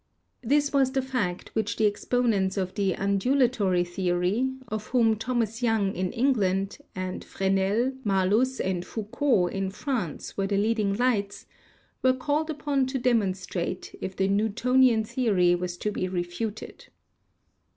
This was the fact which the ex ponents of the undulatory theory — of whom Thomas 74 PHYSICS Young in England and Fresnel, Malus and Foucault in France were the leading lights — were called upon to dem onstrate if the Newtonian theory was to be refuted.